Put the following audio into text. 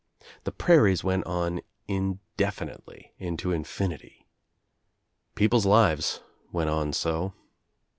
The prairies went on indefinitely, into infinity. People's lives went on so.